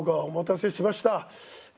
お待たせしました。